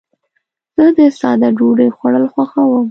زه د ساده ډوډۍ خوړل خوښوم.